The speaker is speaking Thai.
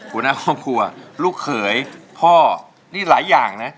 คุณหน้าความกลัวลูกเขยพ่อนี่หลายอย่างนะ